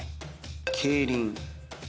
競輪。